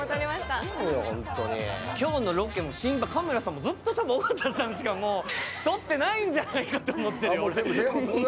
今日のロケもずっと尾形さんしか撮ってないんじゃないかと思って。